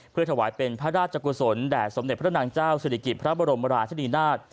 เพื่อถวายเป็นพระราชกุศลแด่สมเด็จพระนางเจ้าศิริกิจพระบรมราชนีนาฏ